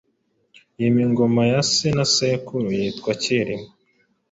yima ingoma ya se na sekuru; yitwa Cyilima.